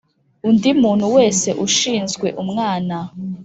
undi muntu wese ushinzwe umwana